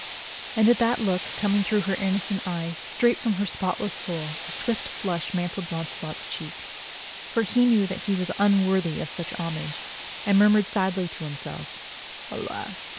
And at that look, coming through her innocent eyes straight from her spotless soul, a swift flush mantled Launcelot's cheek, for he knew that he was un worthy of such homage, and he murmured sadly to himself : "Alas!